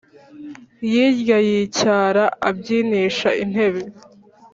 yirya icyara abyinisha intebe